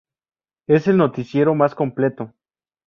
Es el noticiero más completo.